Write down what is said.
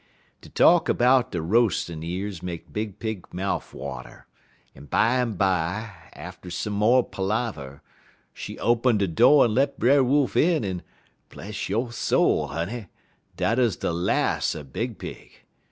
"De talk 'bout de roas'n' years make Big Pig mouf water, en bimeby, atter some mo' palaver, she open de do' en let Brer Wolf in, en bless yo' soul, honey! dat uz de las' er Big Pig.